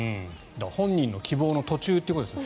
本人の希望の途中ということですね。